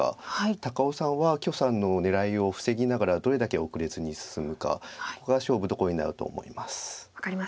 高尾さんは許さんの狙いを防ぎながらどれだけ後れずに進むかが勝負どころになると思います。